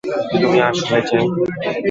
তুমি আসলে যে?